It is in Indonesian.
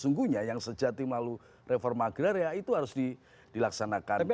sungguhnya yang sejati melalui reform agraria itu harus dilaksanakan dengan baik